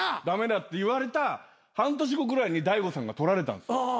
「駄目だ」って言われた半年後ぐらいに大悟さんが撮られたんすよ。